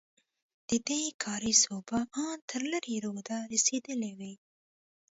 ددې کارېز اوبه ان تر لېرې روده رسېدلې وې.